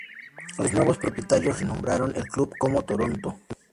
Los nuevos propietarios renombraron al club como "Toronto St.